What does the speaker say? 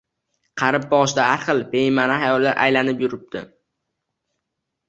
Qarib, boshida har xil bema`ni xayollar aylanib yuribdi